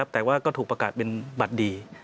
แต่ว่าก็ถูกประกาศเป็นบัตรดี